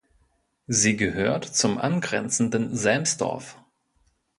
Sie gehört zum angrenzenden Selmsdorf.